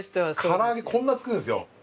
から揚げこんな作るんですよ。